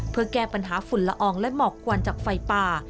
เพื่อแก้ปัญหาฝุ่นละอองและหมอกควันจากไฟป่า